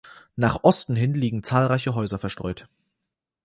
Nach Osten hin liegen zahlreiche Häuser verstreut.